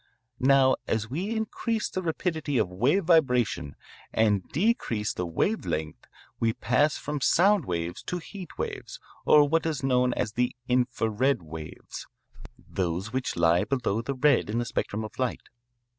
"Now as we increase the rapidity of wave vibration and decrease the wave length we pass from sound waves to heat waves or what are known as the infra red waves, those which lie below the red in the spectrum of light.